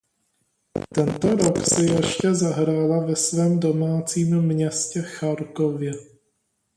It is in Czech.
Tento rok si ještě zahrála ve svém domácím městě Charkově.